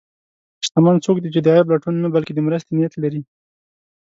شتمن څوک دی چې د عیب لټون نه، بلکې د مرستې نیت لري.